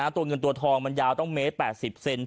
ตัวเงินตัวทองมันยาวต้องเมตร๘๐เซน